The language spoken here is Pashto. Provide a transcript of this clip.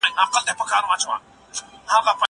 زه وخت نه تېرووم!؟